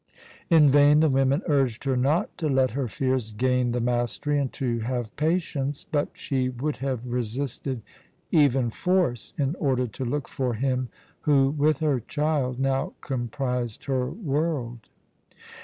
In vain the women urged her not to let her fears gain the mastery and to have patience. But she would have resisted even force in order to look for him who, with her child, now comprised her world.